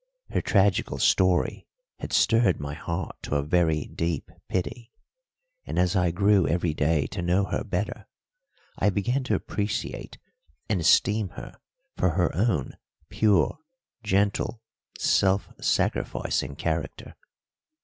Her tragical story had stirred my heart to a very deep pity, and as I grew every day to know her better I began to appreciate and esteem her for her own pure, gentle, self sacrificing character.